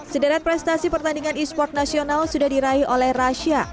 sederhan prestasi pertandingan esports nasional sudah diraih oleh rasyah